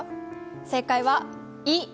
正解は「胃」。